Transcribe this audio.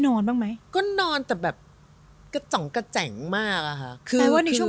นอนบ้างไหมก็นอนแต่แบบกระจ่องกระแจ๋งมากอะค่ะคือว่าในช่วง